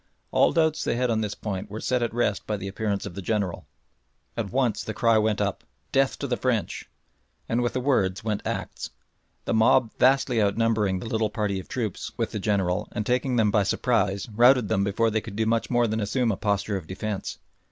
All doubts they had on this point were set at rest by the appearance of the General. At once the cry went up, "Death to the French!" And with the words went acts. The mob vastly outnumbering the little party of troops with the General and taking them by surprise routed them before they could do much more than assume a posture of defence.